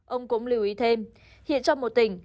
ông cũng lưu ý thêm hiện trong một tỉnh